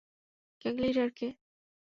Gang leader K?